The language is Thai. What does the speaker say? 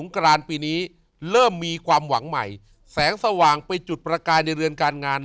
กรานปีนี้เริ่มมีความหวังใหม่แสงสว่างไปจุดประกายในเรือนการงาน